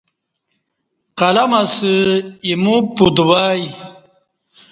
قلم اسہ ایمو پَتوا ی